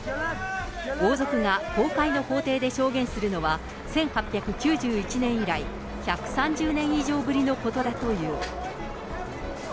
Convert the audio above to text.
王族が公開の法廷で証言するのは１８９１年以来、１３０年以上ぶりのことだという。